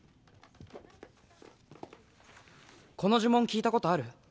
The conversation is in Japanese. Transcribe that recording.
この呪文聞いたことある？